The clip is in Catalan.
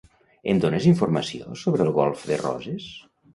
Em dones informació sobre el golf de Roses?